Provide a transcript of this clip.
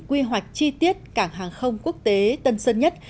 quy hoạch chi tiết cảng hàng không quốc tế tân sơn nhất